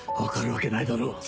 分かるわけないだろ。